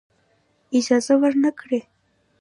اجازه ورنه کړی.